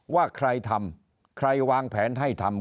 ว่าใครทำใครวางแผนให้ทำ